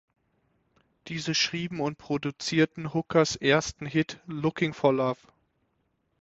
Diese schrieben und produzierten Hookers ersten Hit "Looking For Love".